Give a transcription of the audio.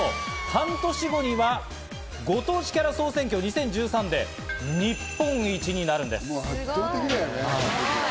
半年後にはご当地キャラ総選挙２０１３で日本一になるんです。